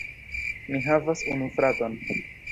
Mi havas unu fraton.